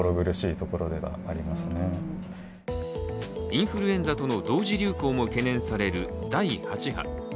インフルエンザとの同時流行も懸念される第８波。